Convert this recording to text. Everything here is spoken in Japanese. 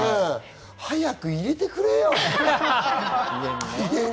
早く入れてくれよ。